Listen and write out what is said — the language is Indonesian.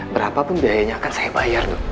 berapapun biayanya akan saya bayar loh